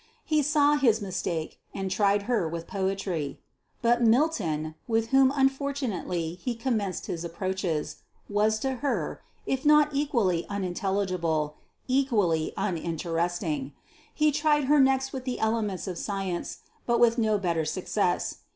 He saw his mistake, and tried her with poetry. But Milton, with whom unfortunately he commenced his approaches, was to her, if not equally unintelligible, equally uninteresting. He tried her next with the elements of science, but with no better success.